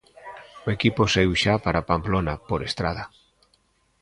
O equipo saíu xa para Pamplona por estrada.